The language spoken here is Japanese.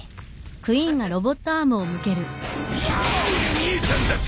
兄ちゃんたち！